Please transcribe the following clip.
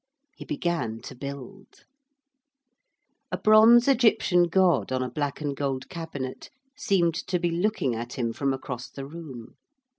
He began to build. A bronze Egyptian god on a black and gold cabinet seemed to be looking at him from across the room.